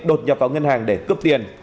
đột nhập vào ngân hàng để cướp tiền